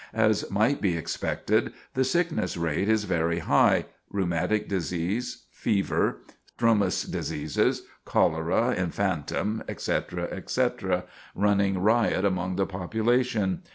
As might be expected, the sickness rate is very high; rheumatic disease, fevers, strumous diseases, cholera infantum, etc., etc., running riot among the population.